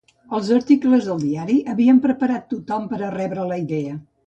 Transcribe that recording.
Els articles del diari havien preparat tothom per a rebre la idea.